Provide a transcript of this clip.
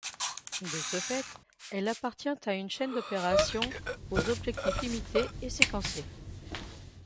De ce fait, elle appartient à une chaîne d'opérations aux objectifs limités et sequencées.